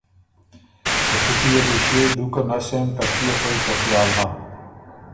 که تُو کی يې بو ݭيې دُوکه نسېن، ترتُو يې خوئ څه خیال هۀ؟